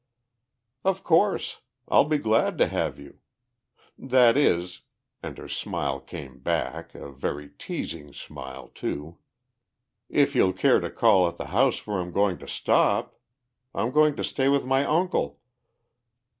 "Of course. I'll be glad to have you. That is," and her smile came back, a very teasing smile, too, "if you'll care to call at the house where I'm going to stop? I'm going to stay with my uncle."